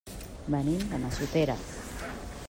Venim de Massoteres.